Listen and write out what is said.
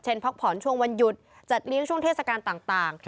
พักผ่อนช่วงวันหยุดจัดเลี้ยงช่วงเทศกาลต่าง